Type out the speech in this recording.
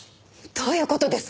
どういう事です？